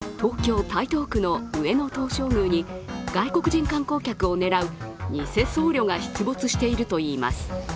インバウンドでにぎわう東京・台東区の上野東照宮に外国人観光客を狙う偽僧侶が出没しているといいます。